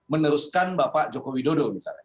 meneruskan bapak joko widodo misalnya